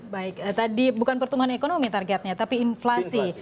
baik tadi bukan pertumbuhan ekonomi targetnya tapi inflasi